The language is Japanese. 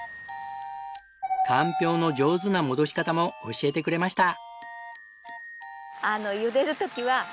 かんぴょうの上手な戻し方も教えてくれました。